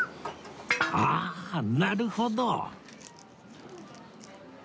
ああなるほど